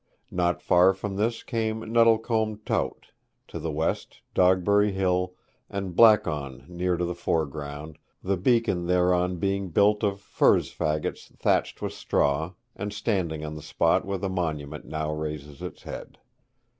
Not far from this came Nettlecombe Tout; to the west, Dogberry Hill, and Black'on near to the foreground, the beacon thereon being built of furze faggots thatched with straw, and standing on the spot where the monument now raises its head.